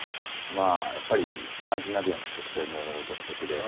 まあやっぱりスカンディナビアの植生も独特で。